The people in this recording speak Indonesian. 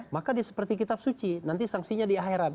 maka dia seperti kitab suci nanti sanksinya di akhiran